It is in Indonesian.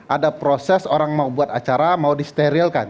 ada proses orang mau buat acara mau disterilkan